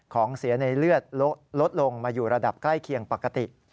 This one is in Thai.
ของเสียในเลือดลดลงมาอยู่ระดับใกล้เคียงปกติ